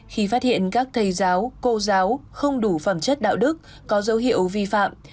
khi phát hiện các thầy giáo cô giáo không đủ phẩm chất đạo đức có dấu hiệu vi phạm